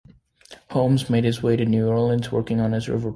Holmes made his way to New Orleans, working on riverboats.